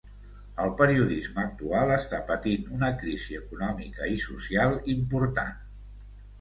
El periodisme actual està patint una crisi econòmica i social important.